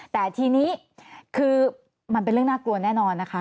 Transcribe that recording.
แต่ทีนี้คือมันเป็นเรื่องน่ากลัวแน่นอนนะคะ